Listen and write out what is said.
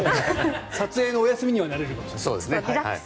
撮影のお休みにはなるかもしれない。